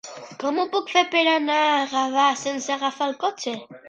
Com ho puc fer per anar a Gavà sense agafar el cotxe?